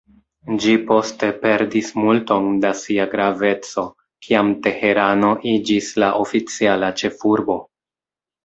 Ĝi poste perdis multon da sia graveco, kiam Teherano iĝis la oficiala ĉefurbo.